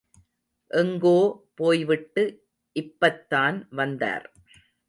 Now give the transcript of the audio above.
எங்கோ போய்விட்டு இப்பத்தான் வந்தார்.